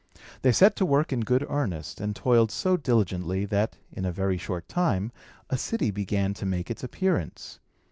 They set to work in good earnest, and toiled so diligently, that, in a very short time, a city began to make its appearance.